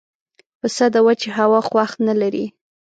پسه د وچې هوا خوښ نه لري.